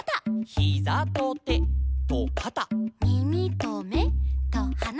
「ヒザとてとかた」「みみとめとはな」